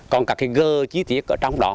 còn các cái gơ chi tiết ở trong đó